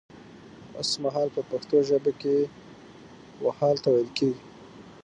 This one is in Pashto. وسمهال په پښتو ژبه کې و حال ته ويل کيږي